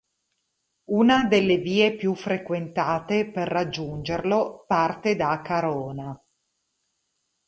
Una delle vie più frequentate per raggiungerlo parte da Carona.